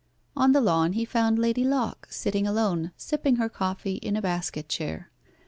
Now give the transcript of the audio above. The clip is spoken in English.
On the lawn he found Lady Locke sitting alone, sipping her coffee in a basket chair.